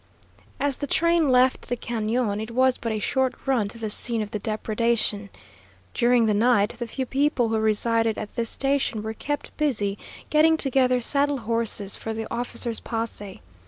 As the train left the cañon it was but a short run to the scene of the depredation. During the night the few people who resided at this station were kept busy getting together saddle horses for the officer's posse.